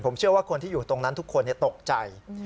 ผมเชื่อว่าคนที่อยู่ตรงนั้นทุกคนตกใจ